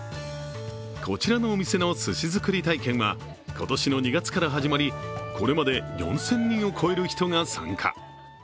こちらのお店のすし作り体験は今年の２月から始まり、これまで４０００人を超える人が参加。